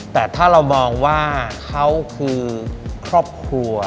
แต่ถ้าเรามองว่าเขาคือครอบครัว